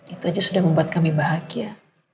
itu aja sudah membuat kami bahagia